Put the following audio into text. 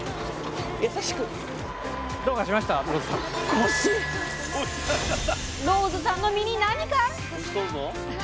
今ローズさんの身に何が？